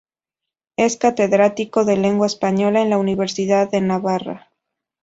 Es catedrático de Lengua española en la Universidad de Navarra.